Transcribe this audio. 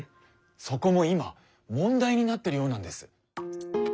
そこも今問題になってるようなんです。